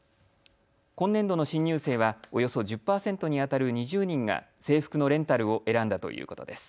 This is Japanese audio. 今年度の新入生はおよそ１０％にあたる２０人が制服のレンタルを選んだということです。